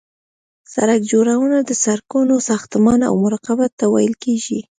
سرک جوړونه د سرکونو ساختمان او مراقبت ته ویل کیږي